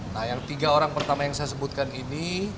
nah yang tiga orang pertama yang saya sebutkan ini